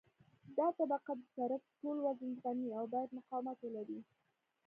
دا طبقه د سرک ټول وزن زغمي او باید مقاومت ولري